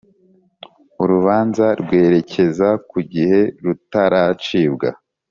urubanza rwerekeza ku igihe rutaracibwa